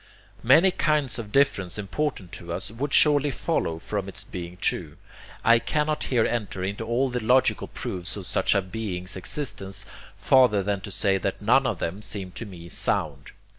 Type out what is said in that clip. Many kinds of difference important to us would surely follow from its being true. I cannot here enter into all the logical proofs of such a Being's existence, farther than to say that none of them seem to me sound.